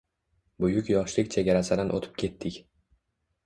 Bugun yoshlik chegarasidan oʻtib ketdik